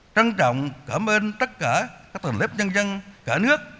trân trọng cảm ơn tất cả các thành lệch nhân dân cả nước